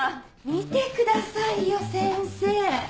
見てくださいよ先生。